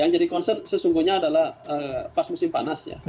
yang jadi concern sesungguhnya adalah pas musim panas ya